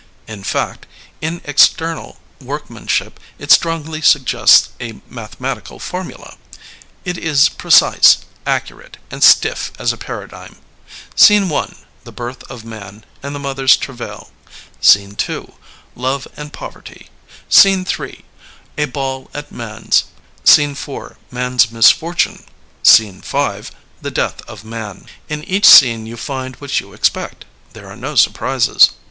In fact, in external workmanship it strongly suggests a mathematical formula. It is precise, accurate and stiff as a paradigm. Scene I. The Birth of Man and the Mother's Travail. Scene II. Love and Poverty. Scene III. A Ball at Man's. Scene IV. Man's Mis fortune. Scene V. The Death of Man. In each scene you find what you expect. There are no surprises.